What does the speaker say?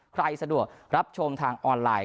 สะดวกรับชมทางออนไลน